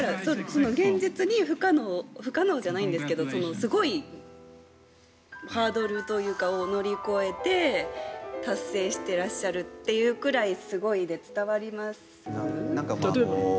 現実に不可能不可能じゃないんですけどすごいハードルというかを乗り越えて達成していらっしゃるというくらいすごいで伝わります？